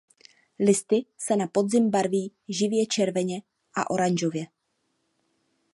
Listy se na podzim barví živě červeně a oranžově.